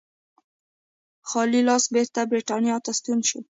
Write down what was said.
خالي لاس بېرته برېټانیا ته ستون شو.